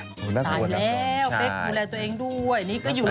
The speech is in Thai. ตายแล้วเฟ้กเวลาตัวเองด้วยนี่ก็อยู่โรงพยาบาลนะฮะ